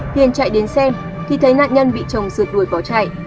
tuyến chạy đến xem khi thấy nạn nhân bị chồng rượt đuổi bỏ chạy